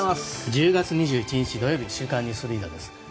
１０月２１日、土曜日「週刊ニュースリーダー」です。